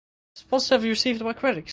It was positively received by critics.